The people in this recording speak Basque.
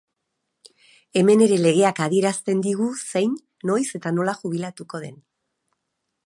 Hemen ere legeak adierazten digu zein, noiz eta nola jubilatuko den.